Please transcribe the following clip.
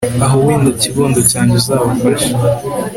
aho wenda kibondo cyange uzabafashe